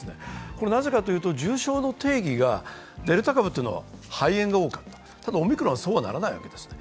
これなぜかというと、重症の定義というのがデルタ株というのは肺炎が多くただオミクロンは、そうはならないわけですね。